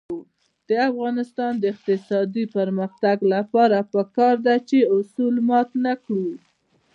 د افغانستان د اقتصادي پرمختګ لپاره پکار ده چې اصول مات نکړو.